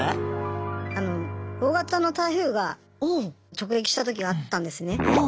大型の台風が直撃した時があったんですね。